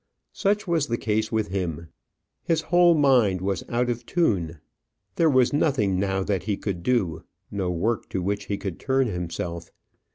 Such was the case with him. His whole mind was out of tune. There was nothing now that he could do; no work to which he could turn himself.